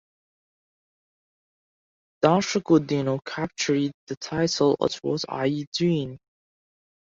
Danshoku Dino captured the title at What Are You Doing?